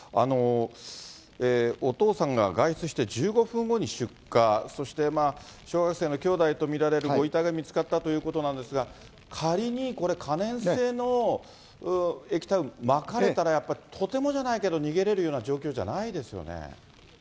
お父さんが外出して１５分後に出火、そして小学生の兄弟と見られるご遺体が見つかったということなんですが、仮にこれ、可燃性の液体をまかれたらやっぱり、とてもじゃないけど逃げれるような状況じゃないですよね。